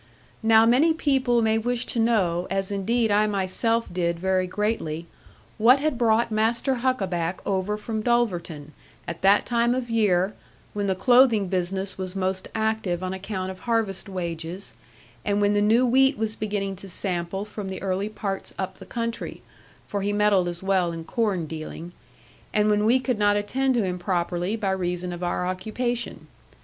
Now many people may wish to know, as indeed I myself did very greatly, what had brought Master Huckaback over from Dulverton, at that time of year, when the clothing business was most active on account of harvest wages, and when the new wheat was beginning to sample from the early parts up the country (for he meddled as well in corn dealing) and when we could not attend to him properly by reason of our occupation.